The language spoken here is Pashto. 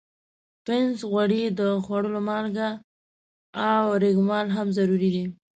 پنس، غوړي، د خوړلو مالګه او ریګ مال هم ضروري دي.